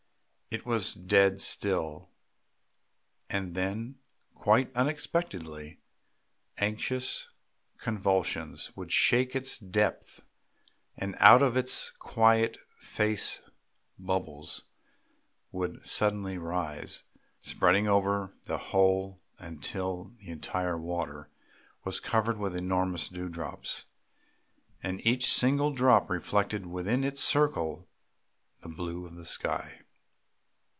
It was dead still; and then, quite unexpectedly, anxious convulsions would shake its depth, and out of its quiet face bubbles would suddenly rise, spreading over the whole till the entire water was covered with enormous dewdrops, and each single drop reflected within its circle the blue of the sky.